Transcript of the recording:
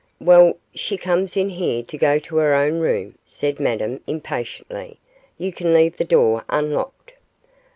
'Well, she comes in here to go to her own room,' said Madame, impatiently; 'you can leave the door unlocked.